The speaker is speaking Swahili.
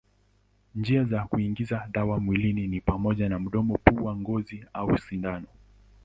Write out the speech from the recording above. Njia za kuingiza dawa mwilini ni pamoja na mdomo, pua, ngozi au sindano.